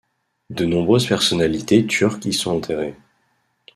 De nombreuses personnalités turques y sont enterrées.